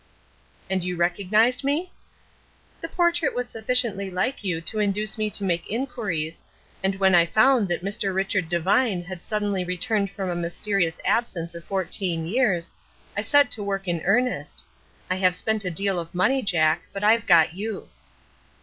"And you recognized me?" "The portrait was sufficiently like you to induce me to make inquiries, and when I found that Mr. Richard Devine had suddenly returned from a mysterious absence of fourteen years, I set to work in earnest. I have spent a deal of money, Jack, but I've got you!"